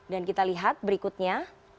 dan kita lihat berikutnya